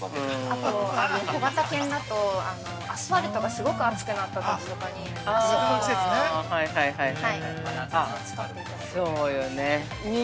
あと、小型犬だとアスファルトがすごく熱くなったときとかに、足を保護するために。